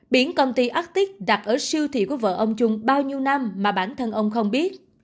biển công ty attic đặt ở siêu thị của vợ ông chung bao nhiêu năm mà bản thân ông không biết